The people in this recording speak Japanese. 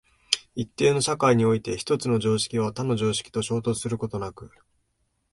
一定の社会において一つの常識は他の常識と衝突することなく、